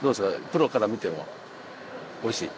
プロから見てもおいしい？